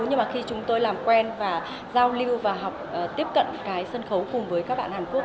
nhưng mà khi chúng tôi làm quen và giao lưu và học tiếp cận cái sân khấu cùng với các bạn hàn quốc